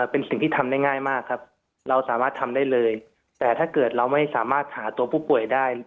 เป็นสิ่งที่ทำได้ง่ายมากครับเราสามารถทำได้เลยแต่ถ้าเกิดเราไม่สามารถหาตัวผู้ป่วยได้